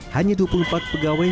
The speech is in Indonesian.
hanya dua puluh empat pegawai